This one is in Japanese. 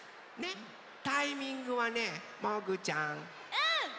うん！